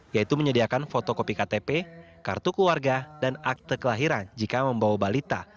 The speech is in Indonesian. yaitu menyediakan fotokopi ktp kartu keluarga dan akte kelahiran jika membawa balita